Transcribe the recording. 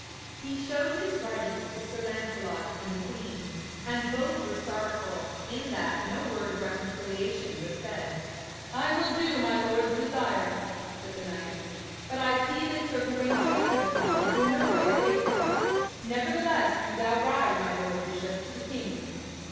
He showed his writings to Sir Lancelot and the queen, and both were sorrowful in that no word of reconciliation was said. 'I will do my lord's desire,' said the knight, 'but I see that Sir Gawaine's hatred of me is in no way abated. Nevertheless, do thou ride, my lord bishop, to the king.